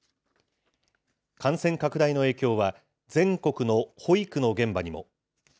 感染拡大の影響は、全国の保育の現場にも。